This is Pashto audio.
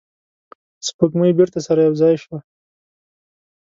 سپوږمۍ بیرته سره یو ځای شوه.